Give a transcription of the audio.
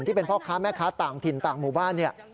ที่เป็นพ่อค้าแม่ค้าต่างถิ่นต่างหมู่บ้านเนี่ย